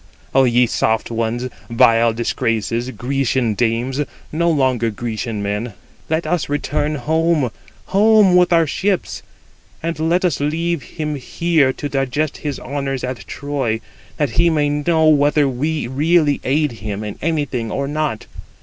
Ο ye soft ones, vile disgraces, Grecian dames, no longer Grecian men, 98 let us return home, home! 99 with our ships, and let us leave him here to digest his honours at Troy, that he may know whether we really aid him in anything or not.